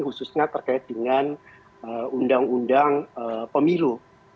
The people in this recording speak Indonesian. khususnya terkait dengan undang undang pemilu